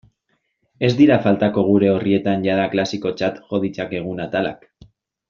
Ez dira faltako gure orrietan jada klasikotzat jo ditzakegun atalak.